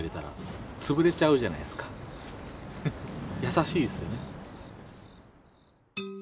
優しいっすよね。